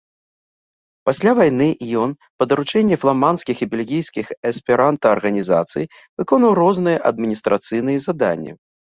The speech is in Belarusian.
Пасля вайны ён, па даручэнні фламандскіх і бельгійскіх эсперанта арганізацый, выконваў розныя адміністрацыйныя заданні.